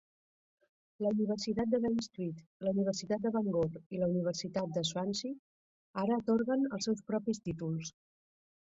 La Universitat d'Aberystwyth, la Universitat de Bangor i la Universitat de Swansea ara atorguen els seus propis títols.